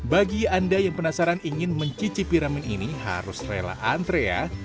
bagi anda yang penasaran ingin mencicipi ramen ini harus rela antre ya